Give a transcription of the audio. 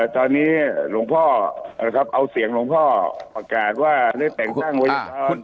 ตอนนี้หลวงพ่อเอาเสียงหลวงพ่อประกาศว่าได้แต่งตั้งไว้ก่อน